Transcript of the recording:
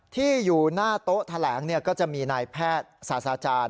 ที่อยู่หน้าโต๊ะแถลงก็จะมีนายแพทย์ศาสตราจารย์